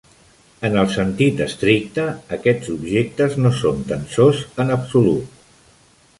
En el sentit estricte, aquests objectes no són tensors en absolut.